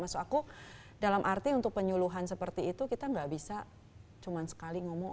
maksud aku dalam arti untuk penyuluhan seperti itu kita nggak bisa cuma sekali ngomong